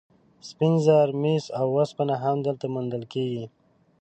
سپین زر، مس او اوسپنه هم دلته موندل کیږي.